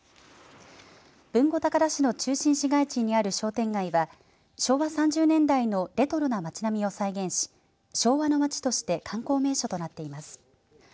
豊後高田市の中心市街地にある商店街は昭和３０年代のレトロな町並みを再現し昭和の町として観光名所となっています。